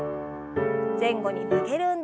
前後に曲げる運動です。